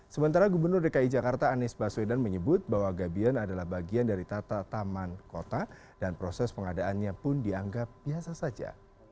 sementara gubernur dki jakarta anies baswedan menyebut bahwa gabion adalah bagian dari tata taman kota dan proses pengadaannya pun dianggap biasa saja